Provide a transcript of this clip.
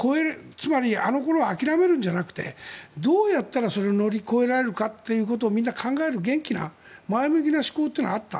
つまりあの頃は諦めるんじゃなくてどうやったらそれを乗り越えられるかということをみんな考える元気な前向きな思考というのがあった。